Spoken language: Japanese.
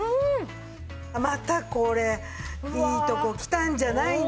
またこれいいとこきたんじゃないの。